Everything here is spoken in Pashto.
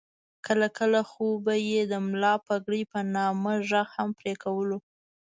کله کله خو به یې د ملا پګړۍ په نامه غږ هم پرې کولو.